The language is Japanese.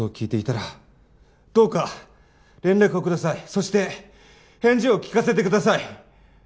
そして返事を聞かせてください！